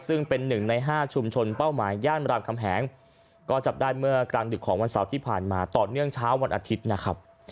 ซึ่งเป็นหนึ่งในห้าชุมชนเป้าหมายย่านรามคำแหงก็จับได้เมื่อกลางดึกของวันเสาร์ที่ผ่านมาต่อเนื่องเช้าวันอาทิตย์นะครับ